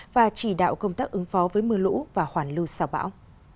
và chỉ đạo công tác ứng phó với mưa lũ và hoàn lưu sao bão